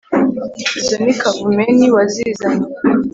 Izo ni Kavumenti wazizanye